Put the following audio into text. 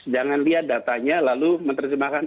jangan lihat datanya lalu menerjemahkan